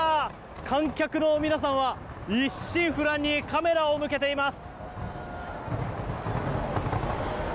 観客の皆さんは一心不乱にカメラを向けています。